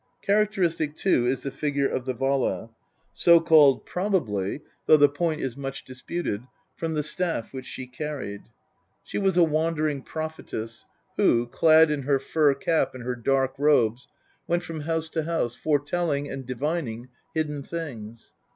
Characteristic, too, is the figure of the Vala, so called probably, K K LXXIV THE POETIC EDDA. though the point is much disputed, from the staff which she carried.* She was a wandering prophetess, who, clad in her fur cap and her dark robes, went from house to house, foretelling and divining hidden things.